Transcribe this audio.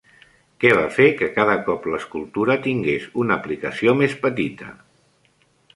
Què va fer que cada cop l'escultura tingués una aplicació més petita?